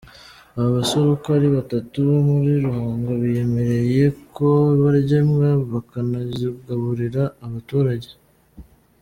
Aba basore uko ari batatu bo muri Ruhango biyemereye ko barya imbwa bakanazigaburira abaturage.